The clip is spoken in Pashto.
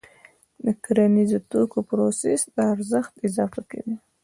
د کرنیزو توکو پروسس د ارزښت اضافه کوي.